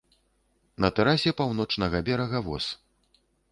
На тэрасе паўночнага берага воз.